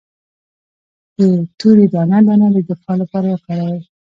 د تورې دانې دانه د دفاع لپاره وکاروئ